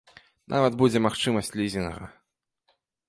Нават будзе магчымасць лізінга.